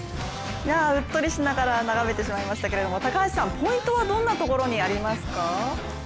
うっとりしながら眺めてしまいましたけれどもポイントはどんなところにありますか。